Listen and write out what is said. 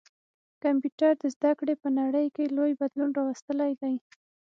کمپيوټر د زده کړي په نړۍ کي لوی بدلون راوستلی دی.